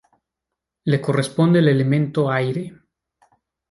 Le corresponde el elemento aire.